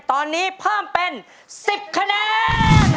ตอนนี้เพิ่มเป็น๑๐คะแนน